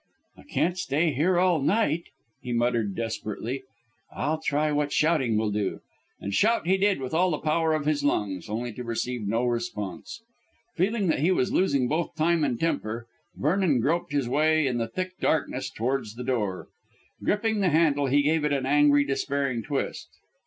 "I can't stay here all night," he muttered desperately. "I'll try what shouting will do;" and shout he did with all the power of his lungs, only to receive no response. Feeling that he was losing both time and temper, Vernon groped his way in the thick darkness towards the door. Gripping the handle he gave it an angry, despairing twist.